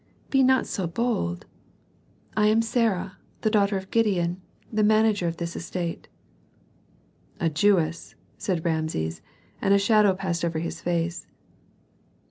"Be not so bold. I am Sarah, the daughter of Gideon, the manager of this estate." "A Jewess," said Rameses; and a shadow passed over his face.